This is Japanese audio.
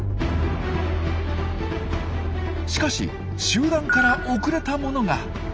しかし集団から遅れたものが。